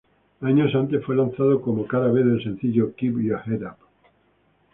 Años antes fue lanzado como cara-B del sencillo "Keep Ya Head Up".